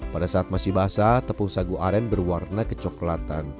pada saat masih basah tepung sagu aren berwarna kecoklatan